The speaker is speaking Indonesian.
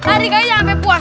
lari dumbarr sampai puas